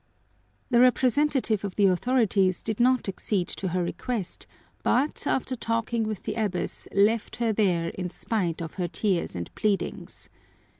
The representative of the authorities did not accede to her request, but, after talking with the abbess, left her there in spite of her tears and pleadings.